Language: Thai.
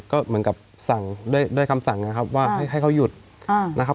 ก็เหมือนกับสั่งด้วยคำสั่งนะครับว่าให้เขาหยุดนะครับ